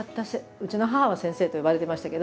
うちの母は「先生」と呼ばれてましたけど。